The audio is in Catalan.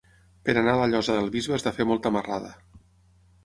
Per anar a la Llosa del Bisbe has de fer molta marrada.